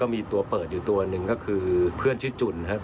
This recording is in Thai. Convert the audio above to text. มีตัวเปิดอยู่ตัวหนึ่งก็คือเพื่อนชื่อจุ่นนะครับ